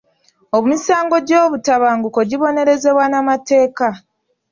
Emisango gy'obutabanguko gibonerezebwa na mateeka.